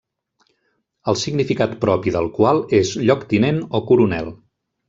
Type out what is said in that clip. El significat propi del qual és lloctinent o coronel.